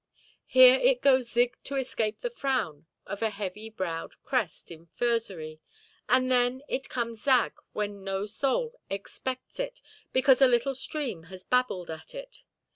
Here it goes zig to escape the frown of a heavy–browed crest of furzery, and then it comes zag when no soul expects it, because a little stream has babbled at it.